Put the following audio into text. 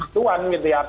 tuan gitu ya